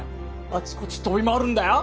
あちこち飛び回るんだよ